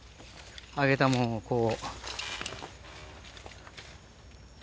上げたもんをこう。